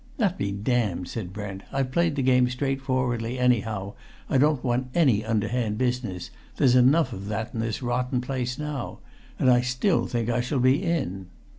"That be damned!" said Brent. "I've played the game straightforwardly anyhow. I don't want any underhand business there's enough of that in this rotten place now. And I still think I shall be in!"